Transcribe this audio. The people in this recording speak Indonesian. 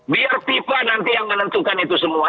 biar fifa nanti yang menentukan itu semua